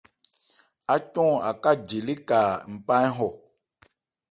Ácɔn Aká je léka npá ń hɔ ?